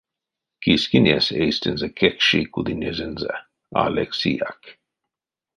Кискинесь эйстэнзэ кекши кудынезэнзэ — а лексияк.